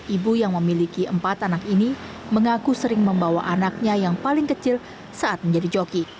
ibu yang memiliki empat anak ini mengaku sering membawa anaknya yang paling kecil saat menjadi joki